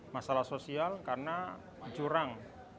masalah sosial karena curang